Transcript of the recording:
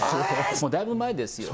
もうだいぶ前ですよね